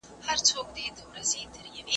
¬ زړه پر زړه دئ.